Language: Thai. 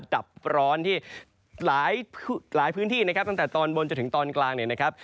ดับร้อนที่หลายพื้นที่นะครับตั้งแต่ตอนบนจนถึงตอนกลางเนี่ยนะครับ